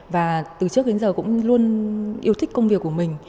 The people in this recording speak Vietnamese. và từ trước đến giờ cũng luôn yêu thích công việc của mình